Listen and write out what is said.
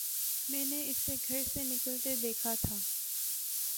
میں نے اسے گھر سے نکلتے دیکھا تھا